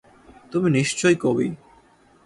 তুমি নিশ্চয়ই কবি।